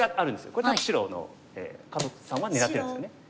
これが白の加藤さんは狙ってるんですよね。